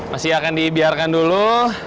masih akan dibiarkan dulu